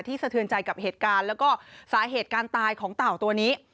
สะเทือนใจกับเหตุการณ์แล้วก็สาเหตุการตายของเต่าตัวนี้